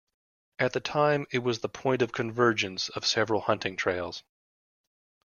At the time it was the point of convergence of several hunting trails.